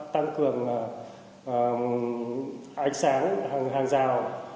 tăng cường ánh sáng hàng rào